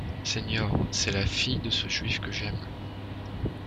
Señor, c’est la fille de ce juif que j’aime!